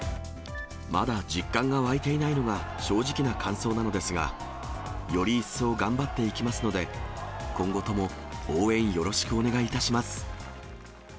まだ実感が湧いていないのが正直な感想なのですが、より一層頑張っていきますので、今後とも応援よろしくお願いいたします。